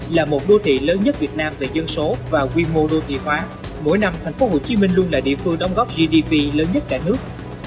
là một đô thị lớn nhất việt nam về dân số và quy mô đô thị hóa mỗi năm thành phố hồ chí minh luôn là địa phương đóng góp gdp lớn nhất cả nước